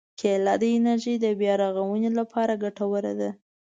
کېله د انرژي د بیا رغونې لپاره ګټوره ده.